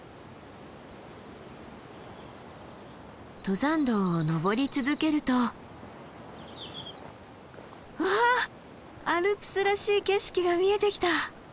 登山道を登り続けるとわあアルプスらしい景色が見えてきた！